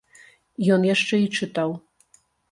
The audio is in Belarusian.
Ён яшчэ і чытаў.